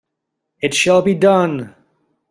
It shall be done!